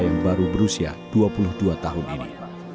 yang baru berusia dua puluh dua tahun ini